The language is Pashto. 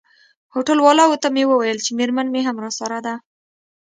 هوټل والاو ته مې وویل چي میرمن مي هم راسره ده.